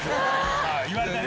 言われたね。